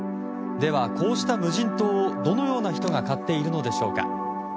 では、こうした無人島をどのような人が買っているのでしょうか。